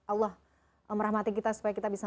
allah merahmati kita supaya kita bisa